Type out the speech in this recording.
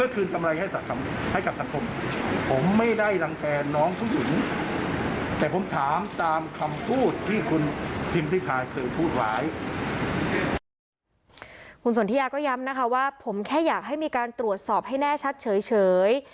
คุณสนทิยาก็ย้ำนะคะว่าผมแค่อยากให้มีการตรวจสอบให้แน่ชัดเฉย